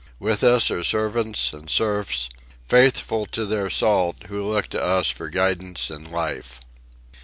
With us are servants and serfs, faithful to their salt, who look to us for guidance and life.